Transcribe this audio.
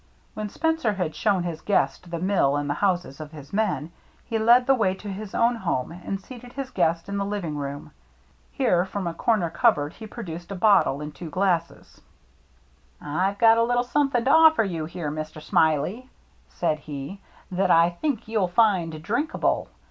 When Spencer had shown his guest the mill and the houses of his men, he led the way to his own home and seated his guest in the living room. Here from a corner cupboard he pro duced a bottle and two glasses. " I've got a little something to offer you here, Mr. Smiley," said he, " that I think you'll find drinkable.